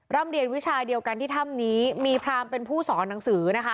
ร่ำเรียนวิชาเดียวกันที่ถ้ำนี้มีพรามเป็นผู้สอนหนังสือนะคะ